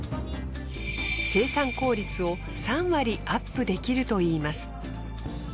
生産効率を３割アップできるといいます。